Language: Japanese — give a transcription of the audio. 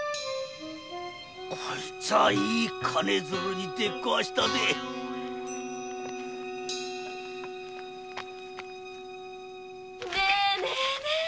こいつはいい金づるに出くわしたぜねぇねぇ